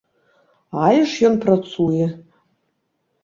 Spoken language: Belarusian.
Але ж ён працуе!